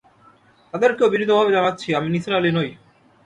তাঁদেরকেও বিনীত ভাবে জানাচ্ছি- আমি নিসার আলি নই।